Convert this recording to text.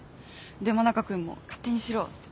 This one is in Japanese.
で真中君も勝手にしろって。